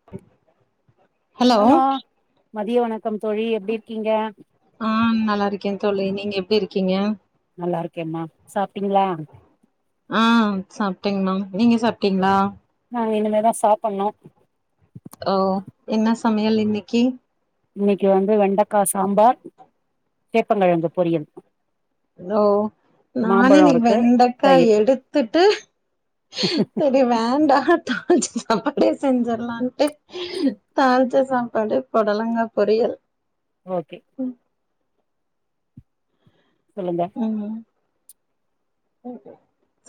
[inaudible] Hello மதிய வணக்கம் தோழி எப்படி இருக்கீங்க ஆ நல்லா இருக்கே தோலி நீங்க எப்படி இருக்கீங்க நல்லா இருக்கேம்மா சாப்பிட்டீங்களா ஆ சாப்டீங் மேம் நீங்க சாப்ட்டீங்களா நாங்க இனிமே தா சாப்பனு ஓ என்ன சமயல் இன்னைக்கி இன்னைக்கு வந்து வெண்டைக்கா சாம்பார் சேப்பங்கிழங்கு பொரியல் ஓ நானு மாம்பழோ இன்னைக்கு இருக்கு வெண்டைக்காய் தயிர் எடுத்துட்டு சரி வேண்டா தாழிச்ச சாப்பாடே செஞ்சரலாம்ட்டு தாழ்ச்ச சாப்பாடு பொடலங்கா பொரியல் ஓகே சொல்லுங்க ம்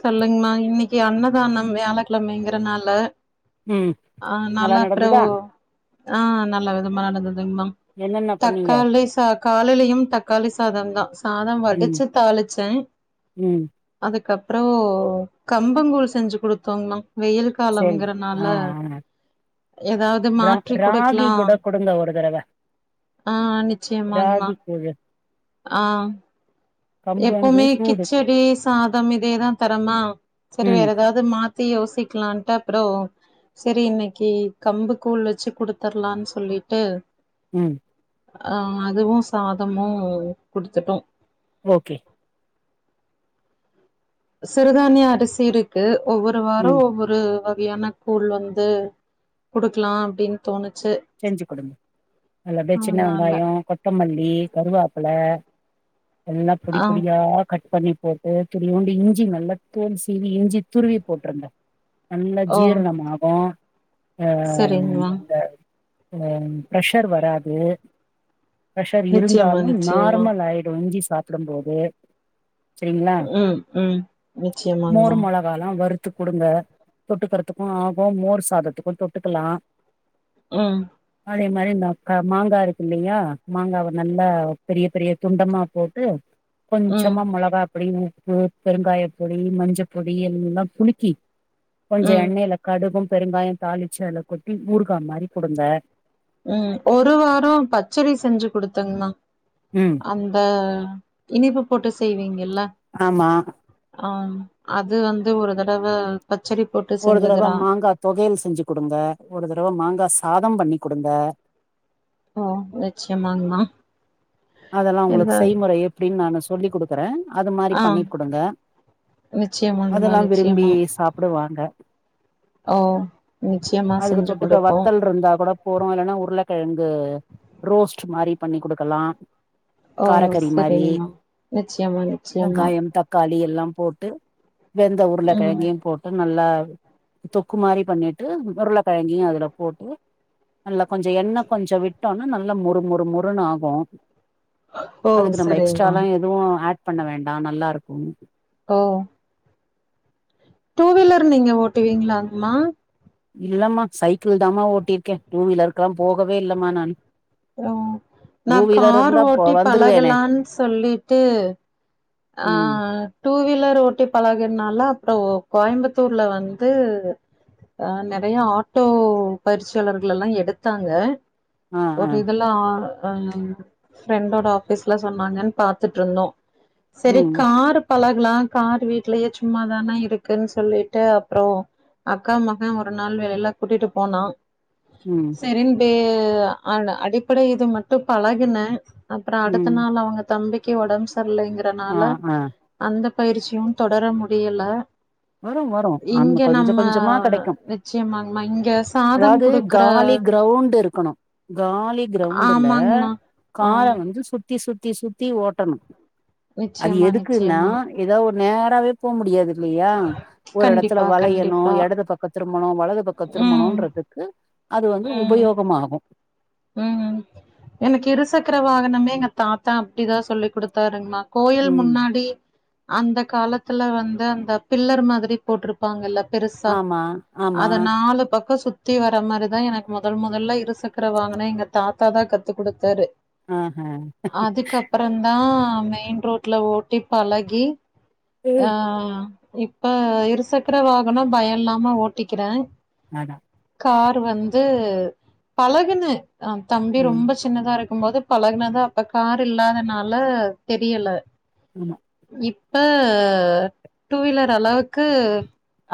சொல்லுங்கமா இன்னைக்கு அன்னதானம் வியாழக்கிழமைங்கறனால ம் ஆ நல்லா அப்புற ஆ நல்ல விதமா நடந்ததுங்க மேம் என்னென்ன பண்ணீங்க தக்காளி சாக் காலலையு தக்காளி சாத தா சாதம் ம் வடிச்சு தாளிச்சே ம் அதுக்கப்புறோ கம்பங்கூழ் செஞ்சு குடுத்ததங் மா வெயிலுக்கு சரி ஆ காலம்ங்கறனால ஆ ஏதாவது ரா மாற்றி ராகி கொடுக்கலா கூட குடுங்க ஒரு தடவ ஆ நிச்சயமாங்கமா ராகி கூழு ஆ கம்பு வந்து எப்பவுமே சூடு கிச்சடி சாதம் இதேதா தரமா சரி ம் வேற ஏதாவது அது மாத்தி யோசிக்கலான்ட் அப்ரோ சரி இன்னைக்கு கம்பு கூள் வச்சு குடுத்தரலா ன்னு சொல்லிட்டு ம் ஆ அதுவு சாதமு குடுத்துட்டோ ஓகே சிறுதானிய அரிசி இருக்கு ஒவ்வொரு வார ம் ஒவ்வொரு ஒரு வகையான கூழ் வந்து குடுக்கலா அப்படின்னு தோணுச்சு செஞ்சு குடுங்க நல்லபடிய சின்ன அதனால வெங்காயோ கொத்தமல்லி கருவேப்பள எல்லா பொடி ஆ பொடியா கட் பண்ணி போட்டு துரியோண்டு இஞ்சி நல்லா தூள் சீவி இஞ்சி துருவி போட்டுருங்க நல்லா ஓ ஜீர்ணமாகு ஆ சரிங்மா அந்த ஆ பிரஷர் வராது பிரஷர் நிச்சயமா இருந்தாலு நிச்சயமா நார்மல் ஆய்டு இஞ்சி சாப்டம்போது ம் ம் நிச்சயமாங்மா அதல்லா வறுத்து குடுங்க தொட்டுக்கறதுக்கு ஆகு மோர் சாதத்துக்கு தொட்டுக்கலா ம் அதே மாரி இந்த க மாங்கா இருக்கு இல்லயா மாங்காவ நல்லா பெரிய பெரிய துண்டமா போட்டு ம் கொஞ்சமா மொளகா பொடி உப்பு பெருங்காயப் பொடி மஞ்சப் பொடி எல்லா குலுக்கி கொஞ்சோ ம் எண்ணெய்ல கடுகும் பெருங்காயோ தாளிச்சி அல்ல கொட்டி ஊற்கா மாரி குடுங்க ம் ஒரு வாரோ பச்சரி செஞ்சு குடுத்தங்மா ம் அந்த இனிப்பு போட்டு செய்வீங்கெல்ல ஆமா ஆ அது வந்து ஒரு தடவ பச்சரி போட்டு ஒரு தடவ செஞ்சதுரா மாங்கா தொகையல் செஞ்சு குடுங்க ஒரு தடவ மாங்கா சாதம் பண்ணி குடுங்க ஆ நிச்சயமாங்மா அதல்லா இந்த உங்களுக்கு செய்முறை எப்டின் நானு சொல்லி குடுக்குறே அது மாரி ஆ பண்ணி குடுங்க நிச்சயமாங்கமா அதெல்லா விரும்பி நிச்சயமா. சாப்டுவாங்க ஓ! நிச்சயமா அதுக்கு செஞ்சு தொட்டுக்க குடுப்போம். வத்தல் இருந்தா கூட போறு இல்லன்னா உர்ளக்கெழங்கு ரோஸ்ட்டு மாரி பண்ணி குடுக்கலா ஓ! காரக்கறி மாரி சரிங்கம்மா. நிச்சயமா, நிச்சயமா. வெங்காயம் தக் காளி எல்லா போட்டு வெந்த ம். உர்ளக்கெழங்கயு போட்டு நல்ல தொக்கு மாரி பண்ணிட்டு உர்ளக்கெழங்கையு அதுல போட்டு நல்லா கொஞ்சொ எண்ண கொஞ்சொ விட்டோனா நல்ல மொறு மொறு மொறுன் ஆகு ஓ! அதுக்கு நம்ம எக்ஸ்ட்ரா சரிங்கம்மா. லா எதுவு ஆட் பண்ண வேண்டா நல்லாருக்கு ஓ டூ வீலர் நீங்க ஓட்டுவீங்ளாங்மா இல்லம்மா சைக்கிள் தாமா ஓட்டிர்க்கே டூ வீலர்க்கல்லா போகவே இல்லம்மா நானு அப்றோ டூ நா வீலர் கார் இருந்தா போ ஓட்டி வந்துருவேனே பழகலான் சொல்லிட்டு ஆ ம் டூ வீலர் ஓட்டி பழகனால அப்றோ கோயம்புத்தூர்ல வந்து ஆ நறைய ஆட்டோ பயிற்சியாளர்கள்லல்லா எடுத்தாங்க ஆ ஆ ஒரு இதெல்லா ஆ ஃப்ரெண்டோட ஆஃபீஸ்ல சொன்னாங்கன் பாத்துட்ருந்தோ செரி ம் கார் பழகலா கார் வீட்லயே சும்மாதானே இருக்குன் சொல்லிட்டு அப்றோ அக்கா மகன் ஒரு நாள் வெள்ள கூட்டிட்டு போனா ம் இரண்டு அ அடிப்படை இது மட்டு பழகுன அப்றோ அடுத்த ம் நாள் அவுங்க தம்பிக்கி ஒடம் ஆ சர்லைங்றனால ஆ அந்த பயிற்சியு தொடர முடியல வரு வரு ஆமா இங்க கொஞ்ச நம்ம கொஞ்சமா கெடைக்கு நிச்சயமாங்மா இங்க சாதம் அதாவது குடுக் காலி கிரௌண்ட் இருக்கனு காலி கிரௌண்டுல ஆமாங்மா ஆ கார வந்து சு த்தி சுத்தி சுத்தி ஓட்டனு அது நிச்சயமா எதுக்குன்னா நிச்சயமா ஏதாவ் ஒரு நேராவே போ முடியாது இல்லையா ஒரு எடத்துல கண்டிப்பா வளையணு கண்டிப்பா எடது பக்க திரும்பணு வலது பக்க ம் திரும்பணுன்றதுக்கு அது வந்து உபயோகமாகு ம்ம் எனக் இருசக்கர வாகனமே எங்க தாத்தா அப்டிதா சொல்லி்குடுத்தாருங்மா கோயில் ம் முன்னாடி அந்த காலத்துல வந்து அந்த பில்லர் மாதிரி போட்டிருப்பாங்கல்ல பெருசா ஆமா ஆமா அத நாலு பக்கொ சுத் த்தி வர மாரிதா எனக் மொதல் மொதல்ல இருசக்கர வாங்குன எங்க தாத்தாதா கத்து கொடுத்தாரு ஆஹ அப்றன்தா மெய்ன் ரோட்ல ஓட்டி பழகி ஆ ஏய் இப்ப இருசக்கர வாகனம் பய இல்லாம ஓட்டிக்கிறே ஆனா கார் வந்து பழகுன அ தம்பி ம் ரொம்பஷ் தின்னதா இருக்கும் போது பழகுனாதா அப்ப கார் இல்லாதனால தெரியல ஊமா இப்ப டூவீலர் அளவ்க்கு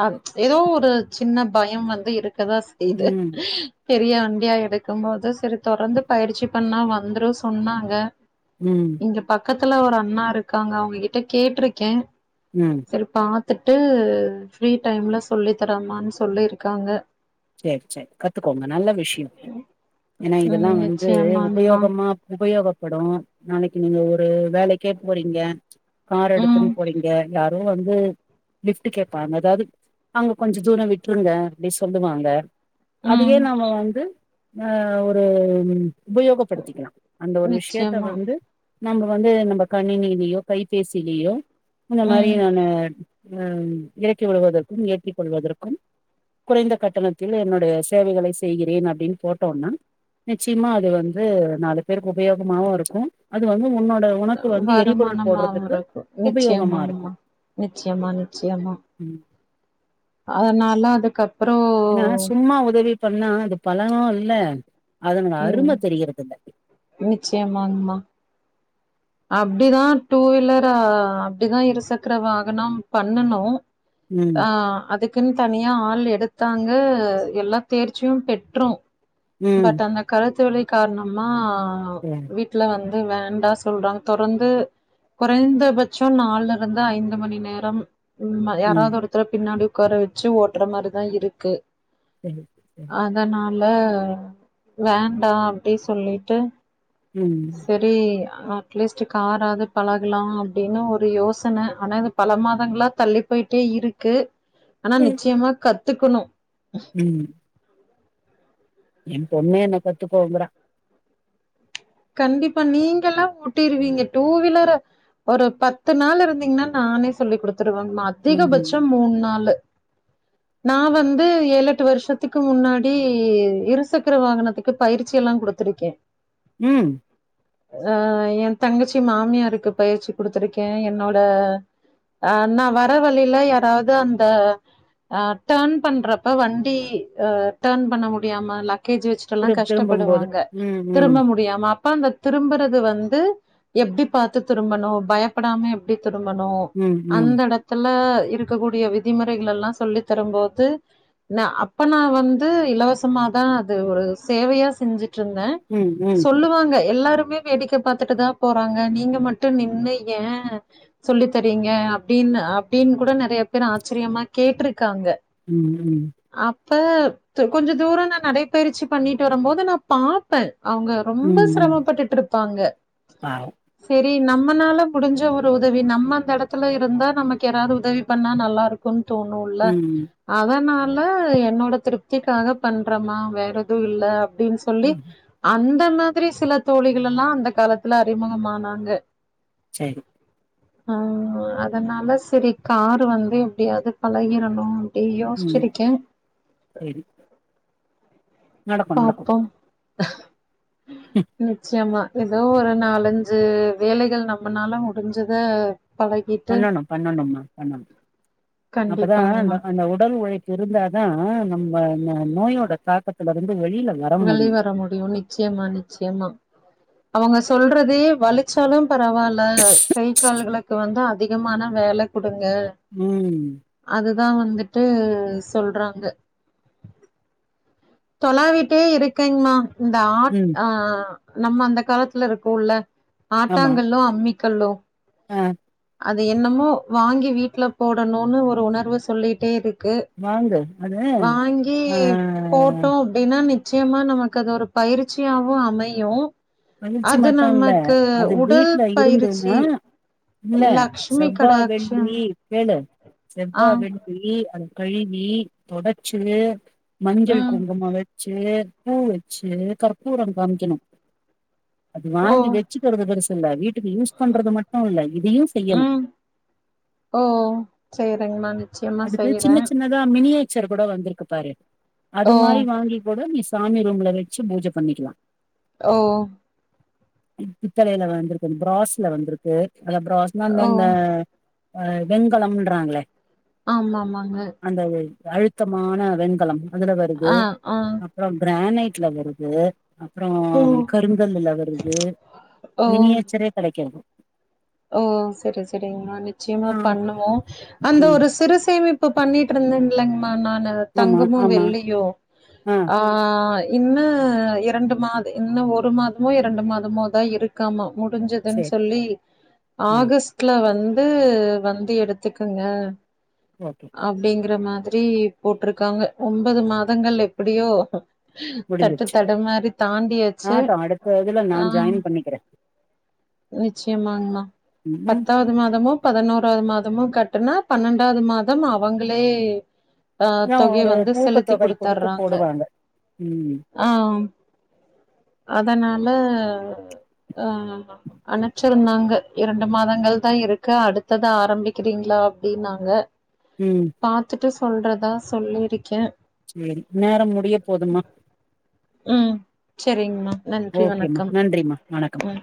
அது ஏதோ ஒரு சின்ன பயம் வந்து இருக்கதா செய்து ம் பெரிய வண்டியா எடுக்கும்போது செரி தொடர்ந்து பயிற்சி பண்ணா வந்த்ரு சொன்னாங்க ம் இங்க பக்கத்துல ஒரு அண்ணா இருக்காங்க அவங்ககிட்ட கேட்ருக்கே ம் செரி பாத்துட்டு ஃப்ரீ டைம்ல சொல்லி தரமான் சொல்லிருக்காங்க சேர் ச்சரி கத்துக்கோங்க நல்ல விஷ்யோ ஏனா இதெல்லா ம் வந்து நிச்சயமாங்மா உபயோகமா உபயோகப்படோ நாளைக்கு நீங்க ஒரு வேலைக்கே போறீங்க கார் ம் எடுத்துன் போறீங்க யாரோ வந்து லிஃப்ட் கேப்பாங்க அதாது அங்க கொஞ்ச தூர விட்ருங்க அப்டி சொல் டுவாங்க அதையே ம் நாம வந்து ஆ ஒரும் உபயோகப்படுத்திக்கலா அந்த ஒரு விஷ்யத்த நிச்சயமா வந்து நம்ம வந்து நம்ம கணினிலியோ கைபேசிலியோ இந்த மாரி ம் நானு அம் எறக்கி விடுவதற்கும் ஏற்றி கொள்வதற்கும் குறைந்த கட்டணத்தில் என்னுடைய சேவைகளை செய்கிறேன் அப்டின் போட்டோன்னா நிச்சய்மா அது வந்து நாலு பேருக்கு உபயோகமாவு இருக்கு அது வந்து உன்னோட உனக்கு வந்து எரிபொருள் வருமானமா போடுறதுக்கு ருக்கும் உபயோகமா இருக்கு நிச்யம்மாங்மா நிச்யமா நிச்யமா ம் அதனால அதுக்கப் ஏன்னா சும்மா உதவி பண்ணா அது பழனம் இல்ல அதன் அரும தெரியற்தில்ல நிச்யம்மாங்மா அப்டிதா டூ வீலர் அ அப்டிதா இருசக்ர வாகனம் பண்ணணோ ம் ஆ அதுக் க்குன் தனியா ஆள் எடுத்தாங்க எல்லா தேர்ச்சியு பெற்றூ ம் பட் அந்த கலுத்து வலி கார்ணமா சரி. விட் ட்ல வந்து வேண்டா சொல்றாங் தொரந்து கொறைந்தபச்சோ நால்லருந்து ஐந்து மணி நேரம் உம்மா ம் யாராத் ஒருத்தர பின்னாடி உக்கார வச்சு ஓட்ற மாரிதா இருக்கு செரி செரி த னால வேண்டா அப்டி சொல்லிட்டு ம் செரி அட்லீஸ்ட்டு காராது பழகலா அப்டின்னு ஒரு யோசன ஆனா எனக் பல மாதங்ளா தள்ளி போயிட்டே இருக்கு ஆனா ம் நிச்சயமா கத்துகனு ம் எ பொண்னே என்ன கத்துகோங்றா கண்டிப்பா நீங்க லா ஓட்டிருவீங்க டூவீலர ஒரு பத்து நாள் இருந்தீங்ன்னா நானே சொல்லி் குடுத்துருவ மா ம் அதிகபட்சம் ம் மூண் நாளு நா வந்து ஏழெட்டு வருஷத்துக்கு முன்னாடி இருசக்கர வாகனத்துக் கு பயிற்சி எல்லா குடுத்திருக்கே ம் அ எ தங்கச்சி மாமியாருக்கு பயிற்சி குடுத்திருக்கே என்னோட அ நா வர வழில யாராது அந்த அ டர்ன் பண்றப்ப வண்டி அ டர்ன் பண்ண முடியாம லக்கேஜ் வச்சு இப்பல்லா திரும்ப திரும்பும்போது கஷ்டப்படுவாங்க ம் ம் திரும்ப முடியாம அப்ப அந்த திரும்பறது வந்து எப்டி பாத்து திரும்பணு பய ப்படாம எப்டி திரும்பணு ம் ம் அந்த எடத் த்துல இருக்ககூடிய விதிமுறைகலெல்லா சொல்லி தரும் போது ந அப்ப நா வந்து இலவசமாதா அது ஒரு சேவையா செஞ்சுட்ருந்த ம் ம் போங்க எல்லாருமே வேடிக்க பாத்துட்டு தா போறாங்க நீங்க மட்டு நின்னு ஏ சொல்லி தரிங்க அப்டின்னு அப்டின் கூட நெறைய பேர் ஆச்சரியமா கேட்டிருக்காங்க ம்ஹும் அப்ப கொஞ்ச தூர நா நடைபயிற்சி பண்ணிட்டு வரும் போது நா பாப்ப அவங்க ரொம்ப ம் ம் ஸ்ரமபட்டுட்ருப்பாங்க பாவம் சரி நம்மனால முடிஞ்ச ஒரு உதவி நம்ம அந்த இடத்துல இருந்தா நமக்கு யாராவது உதவி பண்ணா நல்லாருக்கு கொன் தோணுள்ள ம் அதனால என்னோட திருப்திகாக பண்றமா வேற எது இல்ல அப்டின்னு சொ சொல்லி ம் அந்த மாதிரி சில தோழிகள் எல்லாம் அந்த காலத்துல அறிமுகமானாங்க சேரி ஆ அதனால சரி காரு வாங்கி எப்டியாது பழகிரணு யோஸ்சிரிக்க செரி நடக்கும் பாப்போம் நிச்சயமா ஏதோ ஒரு நாலஞ்சு வேலைகள் நம்மனால முடிஞ்சத பழ பண்ணணு பண்ணணும்மா பண்ணணும் அப்பதா கண்டிப்பாங்கம்மா அ அந்த உடல் உழைப்பு இருந்தாதா நம்ம நோயோட தாக்கத்திலருந்து வெளில வர வெளி முடியும் வர முடியு நிச்சயமா நிச்சயமா அவங்க சொல்றதே வலிச்சாலும் பரவால்ல கை கால்களுக்கு வந்து அதிகமான வேல குடுங்க ம் அதுதா வந்துட்டு சொல்றாங்க தொலாவிட்டே இருக்கேங்மா இந்த ஆட் ம் அ நம்ம அந்த காலத்துல இருக்குள்ள ஆமா ஆட்டாங்கல்லோ அம்மிக்கல்லோ ஆ அது என்னமோ வாங்கி வீட்ல போடனுன்னு ஒரு உணர்வு சொல்லிட்டே இருக்கு வாங்கு அது வாங்கி ஆ போட்டோ அப்டின்னா நிச்சயமா நமக்கு அது ஒரு பயிற்சியாவு அமையு மகிழ்ச்சி அது மட்டுல்ல நமக்கு அது உடல் வீட்ல பயிற்சி இருந்துன்னா இல்ல லக்ஷ்மி செவ்வா கடாட்சம் வெள்ளி கேளு ஆ செவ்வா வெள்ளி அது கழுவி தொடச்சு மஞ்சள் ம் குங்குமம் வச்சு பூ வச்சு கற்பூரம் காமிக்கணு அத ஓ வாங்கி வச்சுக்றது பெருசு இல்ல வீட்டுக்கு யூஸ் பண்றது மட்டு இல்ல இதையு செய்யணு ம் ஓ செரிங்க் மேம் அதுக்கு சின்ன சின்னதா மினியேச்சர் கூட வந்திருக்கு பாரு அது ஓ மாதிரி வாங்கி கூட நீ சாமி ரூம்ல வச்சு பூஜை பண்ணிகலா ஓ பித்தலையில வந்திருக்கு பிராஸ்ல வந்திருக்கு அ பிராஸ் அத ஓ இந்த வெணங்கலம்ன்றாங்களே ஆமா ஆமாங்க அந்த அழுத்தமான வெண்கலம் அதுல வருது ஆ ஆ அப்ரோ கிரானைட்ல வருது அப்ரோ ஓ கருங்கல்ல வருது ஓ மினியச்சரே கெடைக்காது ஓ சரி சரிங்கமா நிச்சயமா ஆ பண்ணுவோ அந்த ம் ஒரு சிறு சேமி இப்ப பண்ணிட்டு இருந்தேன்லைங்கமா நானு ஆமா தங்கமு ஆமா வெள்ளியு ஆ இன்னூ இரண்டு மாத இன்னு ஒரு மாதமோ இரண்டு மாதமோ தா இருக் காம முடுஞ்சுதுன் சேரி சொல்லி ஆ ஆகஸ்ட்ல வந்து வந்து எடுத்துக்கங்க ஓகே அப்டிங்கற மாதிரி போட்ருக்காங்க ஒன்பது மாதங்கள் எப்படியோ தட்டு முடிஞ்சிருச்சு தடு மாரி தாண்டியாச்சு ஆகட்டு அடுத்த இதுல நா அ ஜாயின் பண்ணிக்கிறே நிச்சயமாங்கமா ம் பத்தாவது மாதமு பதினோராது மாதமு கட்டுனா பன்னெண்டாவது மாதம் அவங்களே ஆ அதா தொகையை ஒரு வந்து செலுத்தி ஊக்கத்தொகை குடுத்து கொடுத்துறாங்க போடுவாங்க ம் ஆ அதனால ஆ அனுப்ச்சிருந்தாங்க இரண்டு மாதங்கள் தா இருக்கு அடுத்து ஆரம்பிக்கிறீங்களா அப்படின்னாங்க ம் பாத்துட்டு சொல்றதா சொல்லிருக்கே சரி நேரம் முடிய போதும்மா ம் சரிங்கம்மா நன்றி ஓகேம்மா வணக்கம் நன்றிம்மா வணக்கம் ம்